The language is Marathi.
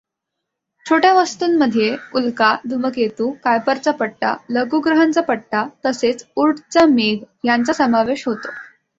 छोट्या वस्तूंमध्ये उल्का, धूमकेतू, कायपरचा पट्टा, लघुग्रहांचा पट्टा तसेच ऊर्टचा मेघ यांचा समावेश होतो.